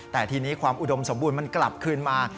แต่ทีนี้ความอุดมสมบูรณ์มันกลับคืนมา